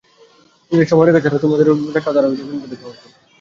নিজের সময়রেখা ছাড়া তোদের কোথাও উপস্থিত থাকা উচিত নয়।